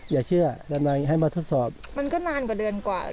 อย่าเชื่อ